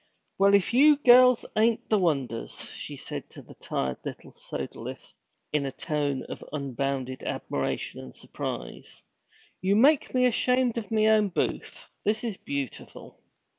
'Well, if you girls ain't the wonders!' she said to the tired little Sodalists, in a tone of unbounded admiration and surprise. 'You make me ashamed of me own booth. This is beautiful.'